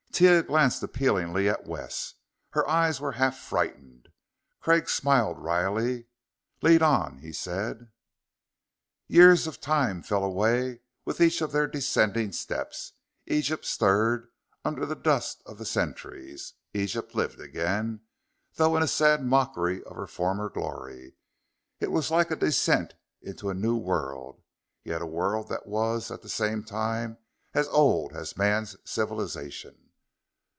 Taia glanced appealingly at Wes. Her eyes were half frightened. Craig smiled wryly. "Lead on!" he said. Years of time fell away with each of their descending steps. Egypt stirred under the dust of the centuries; Egypt lived again, though in a sad mockery of her former glory. It was like a descent into a new world, yet a world that was, at the same time, as old as man's civilization....